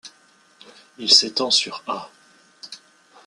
Il s'étend sur ha.